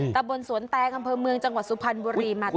ตะบนสวนแตงอำเภอเมืองจังหวัดสุพรรณบุรีมาต่อ